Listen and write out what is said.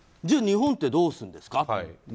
じゃあ日本ってどうするんですか。